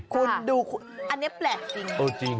คุณดูอันนี้แปลกจริง